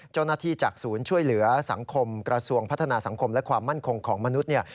เจ้าหน้าที่จากศูนย์ช่วยเหลือสังคมกระทรวงพัฒนาสังคมและความมั่นคงของมนุษย์เนี่ย